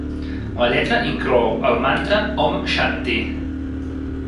La lletra inclou el mantra Om shanti.